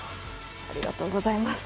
ありがとうございます。